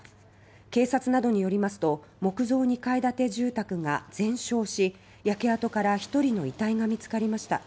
警察などによりますと木造２階建て住宅が全焼し焼け跡から１人の遺体が見つかりました。